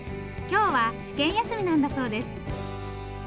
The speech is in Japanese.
今日は試験休みなんだそうです。